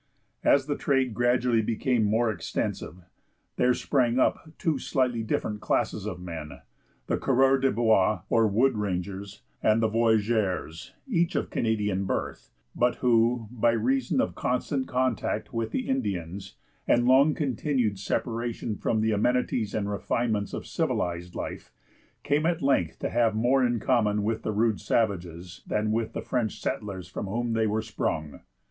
As the trade gradually became more extensive, there sprang up two slightly different classes of men, the coureurs des bois, or wood rangers, and the voyageurs, each of Canadian birth, but who, by reason of constant contact with the Indians and long continued separation from the amenities and refinements of civilized life, came at length to have more in common with the rude savages, than with the French settlers from whom they were sprung.